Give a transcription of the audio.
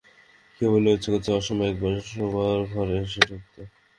কেবলই ইচ্ছে করছিল অসময়ে একবার শোবার ঘরে এসে ঢুকতে।